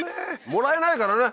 もらえないからね？